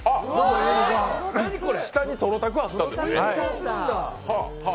下にとろたく、あったんですね